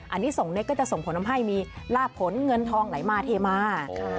อันนี้ส่งเล็กก็จะส่งผลทำให้มีลาบผลเงินทองไหลมาเทมา